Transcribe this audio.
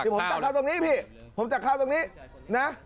ผมตักข้าวตรงนี้พี่ผมจับข้าวตรงนี้นะ